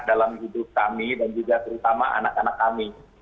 dalam hidup kami dan juga terutama anak anak kami